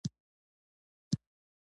د ګلومیرولونیفریټس د ګردو فلټر خرابوي.